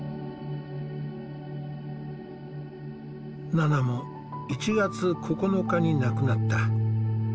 ナナも１月９日に亡くなった。